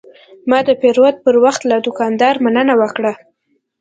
ما د پیرود پر وخت له دوکاندار مننه وکړه.